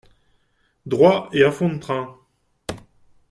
Droit, et à fond de train.